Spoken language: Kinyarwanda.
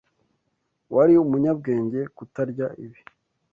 Wari umunyabwenge kutarya ibi.